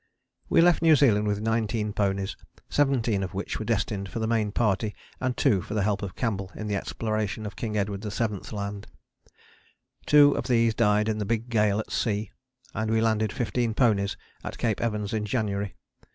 We left New Zealand with nineteen ponies, seventeen of which were destined for the Main Party and two for the help of Campbell in the exploration of King Edward VII.'s Land. Two of these died in the big gale at sea, and we landed fifteen ponies at Cape Evans in January.